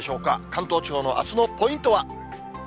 関東地方のあすのポイントは。